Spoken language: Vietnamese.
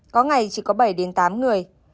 có ngày chỉ có bảy tám người